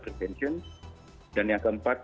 prevention dan yang keempat